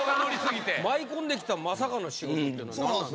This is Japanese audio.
舞い込んできたまさかの仕事ってのは何なん？